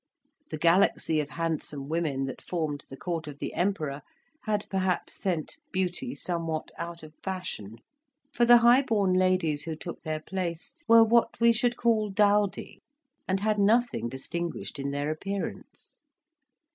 The galaxy of handsome women that formed the court of the Emperor had perhaps sent beauty somewhat out of fashion; for the high born ladies who took their place were what we should call dowdy, and had nothing distinguished in their appearance.